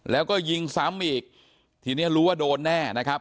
แล้วก็ยิงซ้ำอีกทีรู้ว่าโดนแน่นะครับ